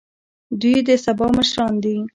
دوی د سبا مشران دي